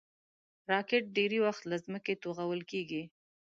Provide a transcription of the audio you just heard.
راکټ ډېری وخت له ځمکې توغول کېږي